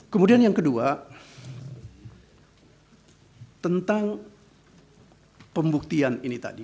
kemudian yang kedua tentang pembuktian ini tadi